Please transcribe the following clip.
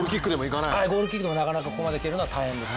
ゴールキックでもなかなかここまで蹴るのは大変です。